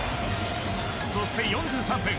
そして４３分。